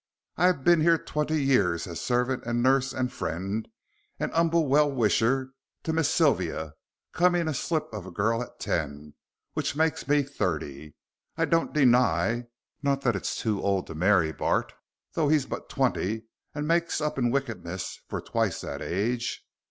I've been here twenty year as servant and nuss and friend and 'umble well wisher to Miss Sylvia, coming a slip of a girl at ten, which makes me thirty, I don't deny; not that it's too old to marry Bart, though he's but twenty, and makes up in wickedness for twice that age.